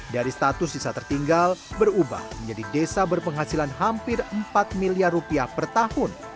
dari status desa tertinggal berubah menjadi desa berpenghasilan hampir empat miliar rupiah per tahun